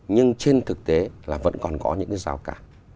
nhưng trên thực tế là vẫn còn có những cái rào cản